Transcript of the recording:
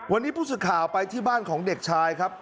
วันนี้ผู้สื่อข่าวไปที่บ้านของเด็กชายครับ